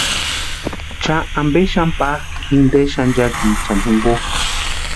¿Cha ampesï xáni pákʼi inte xanchakichani jimpo?